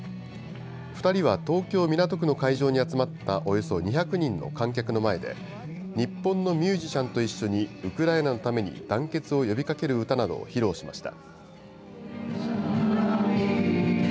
２人は東京・港区の会場に集まったおよそ２００人の観客の前で、日本のミュージシャンと一緒にウクライナのために団結を呼びかける歌などを披露しました。